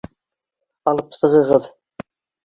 Алып сығығыҙ...